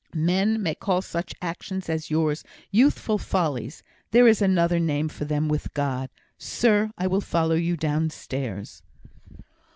"Men may call such actions as yours, youthful follies! There is another name for them with God. Sir! I will follow you downstairs."